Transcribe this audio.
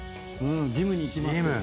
ジムに行きます。